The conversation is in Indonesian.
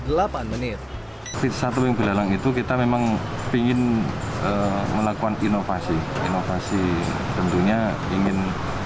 delapan menit pizza topping belalang itu kita memang ingin melakukan inovasi inovasi tentunya ingin